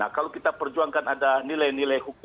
ya kan kalau kita perjuangkan ada nilai nilai hukum hukum